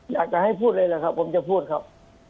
อยากจะให้พูดเลยแหละครับผมจะพูดครับ